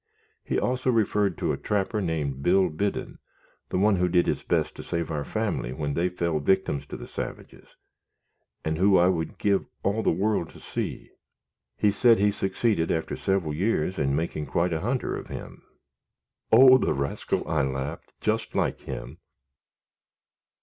He also referred to a trapper named Bill Biddon, the one who did his best to save our family when they fell victims to the savages, and who I would give all the world to see. He said he succeeded, after several years, in making quite a hunter of him." "Oh! the rascal," I laughed, "just like him."